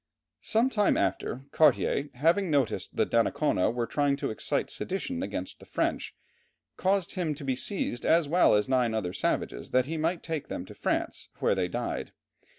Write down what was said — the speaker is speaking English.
Some time after, Cartier, having noticed that Donnacona was trying to excite sedition against the French, caused him to be seized, as well as nine other savages, that he might take them to France, where they died.